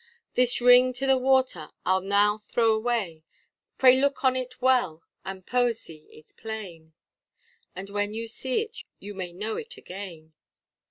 This ring to the water I'll now throw away; Pray look on it well, the poesy is plain, And when you see it you may know it again.